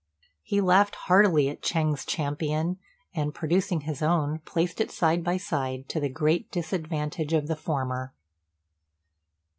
He laughed heartily at Ch'êng's champion, and, producing his own, placed it side by side, to the great disadvantage of the former.